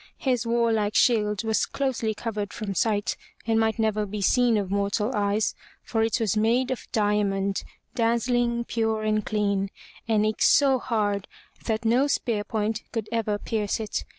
His warlike shield was closely covered from sight, and might never be seen of mortal eyes, for it was made of diamond, dazzling, pure, and clean, and eke so hard that no spear point could ever pierce it.